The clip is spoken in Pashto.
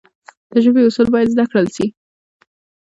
د ژبي اصول باید زده کړل سي.